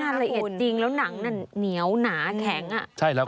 น่าระเอียดจริงแล้วหนังนั้นเหนียวหนาแข็ง